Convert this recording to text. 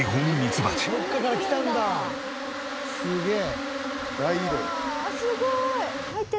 すげえ！